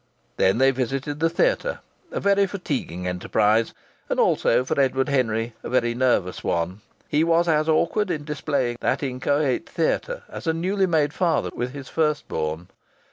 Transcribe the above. Then they visited the theatre a very fatiguing enterprise, and also, for Edward Henry, a very nervous one. He was as awkward in displaying that inchoate theatre as a newly made father with his first born.